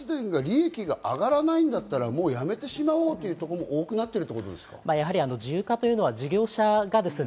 火力発電が利益が上がらないんだったら、もうやめてしまおうというところも多くなっているということですか？